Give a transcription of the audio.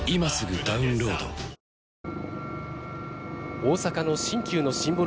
大阪の新旧のシンボル